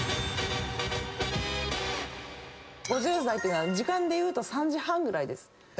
５０代っていうのは時間でいうと３時半ぐらいです。